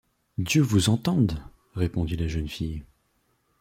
Dieu vous entende! répondit la jeune fille.